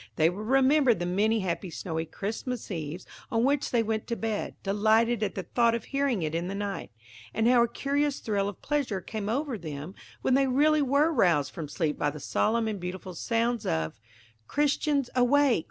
They will remember the many happy snowy Christmas eves on which they went to bed, delighted at the thought of hearing it in the night; and how a curious thrill of pleasure came over them when they really were roused from sleep by the solemn and beautiful sounds of– "Christians awake!